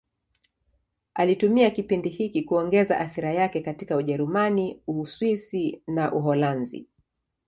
Alitumia kipindi hiki kuongeza athira yake katika Ujerumani, Uswisi na Uholanzi.